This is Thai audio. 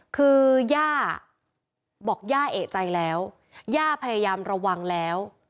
คือย่าบอกย่าเอกใจแล้วย่าพยายามระวังแล้ว